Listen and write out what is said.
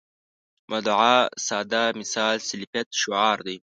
مدعا ساده مثال سلفیت شعار دی.